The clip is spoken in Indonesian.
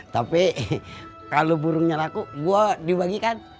tapi kalau burungnya laku gue dibagikan